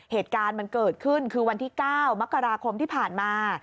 เหตุการณ์มันเกิดขึ้นคือวันที่๙มกราคมที่ผ่านมา